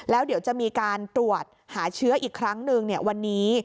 แล้วเดี๋ยวจะมีการตรวจหาเชื้ออีกครั้งหนึ่งวันนี้